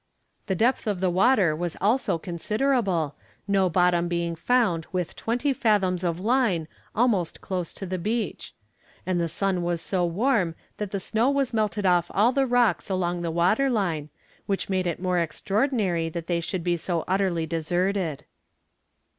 The depth of the water was also considerable, no bottom being found with twenty fathoms of line almost close to the beach; and the sun was so warm that the snow was melted off all the rocks along the water line, which made it more extraordinary that they should be so utterly deserted."